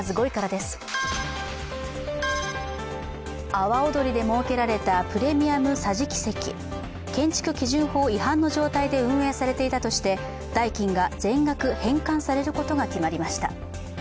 阿波おどりで設けられたプレミア桟敷席、建築法違反の状態で運営されていたとして代金が全額返還されることが決まりました。